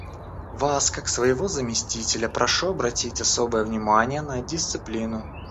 Вас, как своего заместителя, прошу обратить особое внимание на дисциплину.